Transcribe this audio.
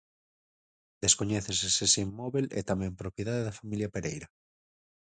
Descoñécese se ese inmóbel é tamén propiedade da familia Pereira.